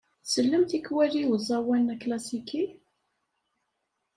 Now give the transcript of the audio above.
Tsellem tikwal i uẓawan aklasiki?